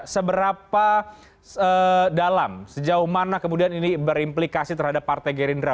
seberapa dalam sejauh mana kemudian ini berimplikasi terhadap partai gerindra